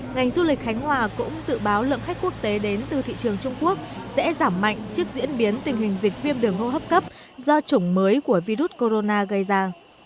ngành du lịch khánh hòa cũng dự báo lượng khách quốc tế đến từ thị trường trung quốc sẽ giảm mạnh trước diễn biến tình hình dịch viêm đường hô hấp cấp do chủng mới của virus corona gây ra